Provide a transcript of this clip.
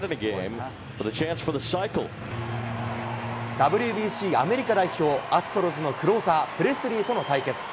ＷＢＣアメリカ代表、アストロズのクローザー、プレスリーとの対決。